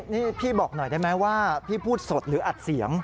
นี่พี่บอกหน่อยได้ไหมว่าพี่พูดสดหรืออัดเสียง